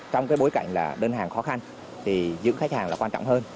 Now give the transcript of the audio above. trong cái bối cảnh là đơn hàng khó khăn thì giữ khách hàng là quan trọng hơn